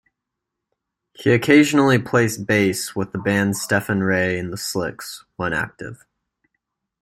He occasionally plays bass with the band Stephen Rey and the Slicks, when active.